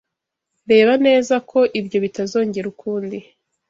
Reba neza ko ibyo bitazongera ukundi.